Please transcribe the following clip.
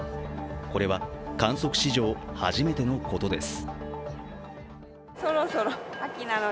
これは観測史上初めてのことです。